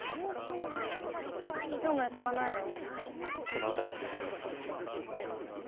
今日も寄ってかないの？